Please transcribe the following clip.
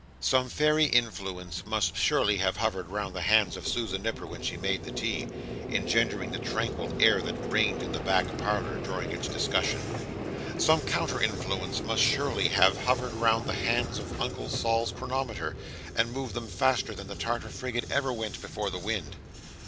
Some fairy influence must surely have hovered round the hands of Susan Nipper when she made the tea, engendering the tranquil air that reigned in the back parlour during its discussion. Some counter influence must surely have hovered round the hands of Uncle Sol's chronometer, and moved them faster than the Tartar frigate ever went before the wind.